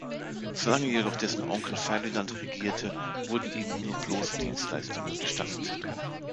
Solange jedoch dessen Onkel Ferdinand regierte, wurden ihm nur bloße Dienstleistungen gestattet.